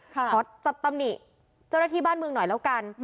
ขอจับตำหนิเจ้าหน้าที่บ้านเมืองหน่อยแล้วกัน